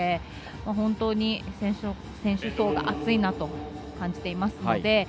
本当に、先取層が厚いなと感じていますので。